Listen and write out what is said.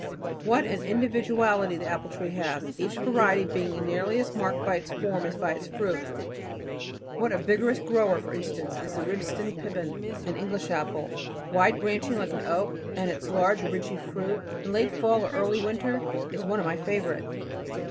What an individuality the apple tree has, each variety being nearly as marked by its form as by its fruit. What a vigorous grower, for instance, is the Ribston pippin, an English apple. Wide branching like the oak, and its large ridgy fruit, in late fall or early winter, is one of my favorites.